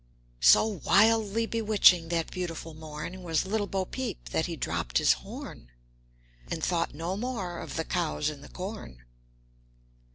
So wildly bewitching that beautiful morn Was Little Bopeep that he dropped his horn And thought no more of the cows in the corn.